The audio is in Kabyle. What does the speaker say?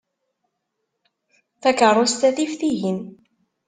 Takeṛṛust-a tif tihin.